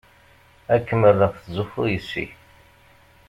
Ad kem-rreɣ tettzuxxuḍ yess-i.